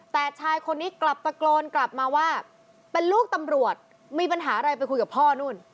แต่ชายคนนี้กลับตะโกนกลับมาว่าเป็นลูกตำรวจมีปัญหาอะไรไปคุยกับพ่อนู่น